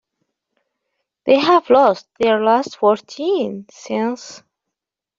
They have lost their last fourteen since.